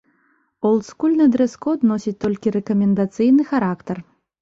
Олдскульны дрэс-код носіць толькі рэкамендацыйны характар.